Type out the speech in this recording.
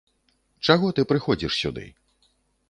Чаго ты прыходзіш сюды?